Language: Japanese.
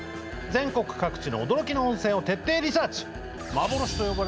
全国各地の驚きの温泉を徹底リサーチ。